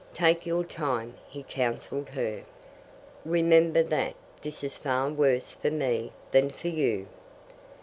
"Take your time," he counselled her. "Remember that this is far worse for me than for you."